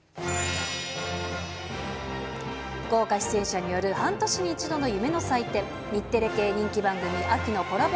豪華出演者による半年の一度の夢の祭典、日テレ系人気番組秋のコラボ